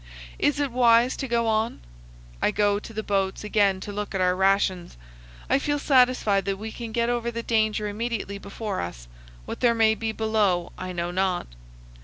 Is it wise to go on? I go to the boats again to look at our rations. I feel satisfied that we can get over the danger immediately before us; what there may be below I know not.